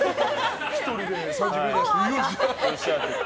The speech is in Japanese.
１人で、３０秒台を出してよっしゃ！って。